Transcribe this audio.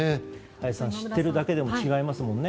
林さん知っているだけでも違いますよね。